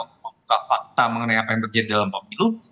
untuk membuka fakta mengenai apa yang terjadi dalam pemilu